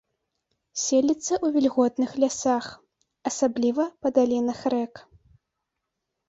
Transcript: Селіцца ў вільготных лясах, асабліва па далінах рэк.